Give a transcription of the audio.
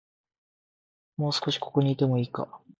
もう少し、ここにいてもいいか